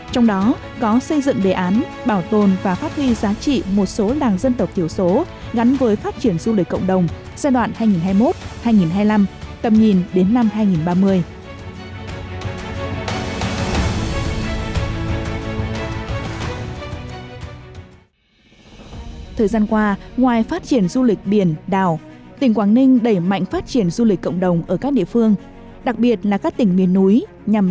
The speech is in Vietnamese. trong đó có xây dựng đề án bảo tồn và phát huy giá trị một số đảng dân tộc thiểu số gắn với phát triển du lịch cộng đồng giai đoạn hai nghìn hai mươi một hai nghìn hai mươi năm tầm nhìn đến năm hai nghìn ba mươi